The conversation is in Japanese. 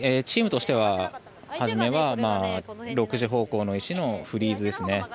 チームとしては初めは、６時方向の石のフリーズですね。